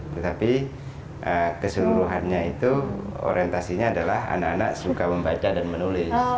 tetapi keseluruhannya itu orientasinya adalah anak anak suka membaca dan menulis